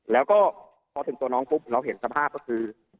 แล้วก็พอถึงตัวน้องปุ๊บเราเห็นสภาพก็คือ